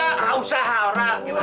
nggak usah harap